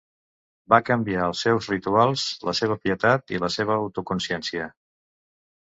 Va canviar els seus rituals, la seva pietat i la seva autoconsciència.